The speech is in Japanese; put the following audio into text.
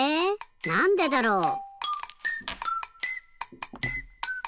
なんでだろう。